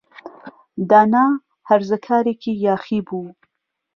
دانا هەرزەکارێکی یاخی بوو.